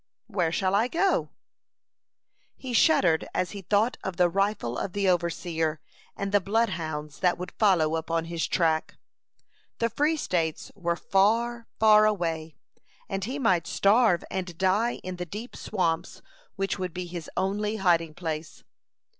"Where shall I go?" He shuddered as he thought of the rifle of the overseer, and the bloodhounds that would follow upon his track. The free states were far, far away, and he might starve and die in the deep swamps which would be his only hiding place.